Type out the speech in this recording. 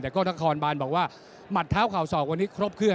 แต่ก็นครบานบอกว่าหมัดเท้าเข่าศอกวันนี้ครบเครื่อง